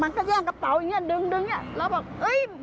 มันก็แย่งกระเป๋าอย่างเงี้ยดึงดึงเงี้ยแล้วบอกเอ้ย